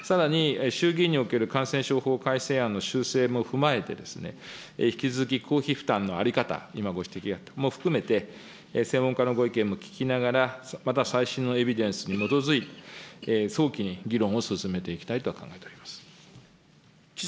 さらに衆議院における感染症法改正案の修正も踏まえて、引き続き公費負担の在り方、今ご指摘があった、も含めて、専門家のご意見も聞きながら、また最新のエビデンスに基づいて、早期に議論を進めていきたいと考えています。